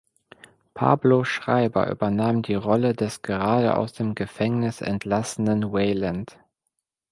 Pablo Schreiber übernahm die Rolle des gerade aus dem Gefängnis entlassenen Wayland.